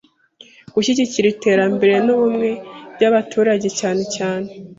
gushyigikira iterambere n ubumwe by abaturage cyanecyane